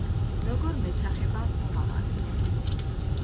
როგორ მესახება მომავალი